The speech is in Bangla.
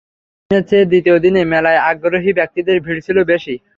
প্রথম দিনের চেয়ে দ্বিতীয় দিনে মেলায় আগ্রহী ব্যক্তিদের ভিড় ছিল বেশি।